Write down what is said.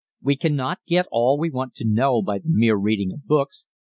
We cannot get all we want to know by the mere reading of books.